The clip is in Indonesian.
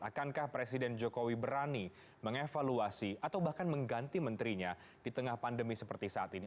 akankah presiden jokowi berani mengevaluasi atau bahkan mengganti menterinya di tengah pandemi seperti saat ini